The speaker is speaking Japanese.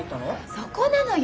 そこなのよ！